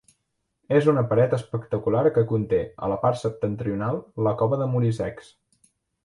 És una paret espectacular que conté, a la part septentrional, la Cova de Muricecs.